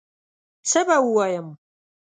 څه به ووایم